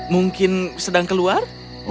mungkin sedang keluar